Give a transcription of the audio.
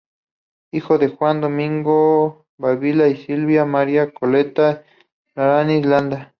Hijo de Juan Domingo Dávila Silva y María Coleta Larraín Landa.